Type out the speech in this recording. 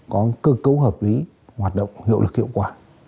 có cơ cấu hợp lý hoạt động hiệu lực hiệu quả